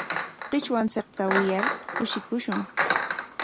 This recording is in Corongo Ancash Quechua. Qichwanchikta wiyar kushikushun.